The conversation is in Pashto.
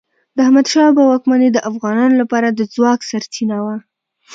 د احمد شاه بابا واکمني د افغانانو لپاره د ځواک سرچینه وه.